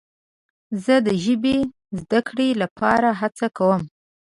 زه د ژبې زده کړې لپاره هڅه کوم.